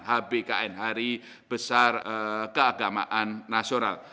hbkn hari besar keagamaan nasional